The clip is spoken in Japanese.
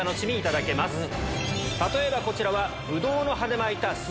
例えばこちらは。